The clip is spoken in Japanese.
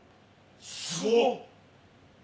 すごっ。